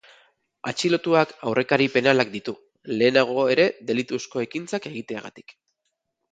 Atxilotuak aurrekari penalak ditu, lehenago ere delituzko ekintzak egiteagatik.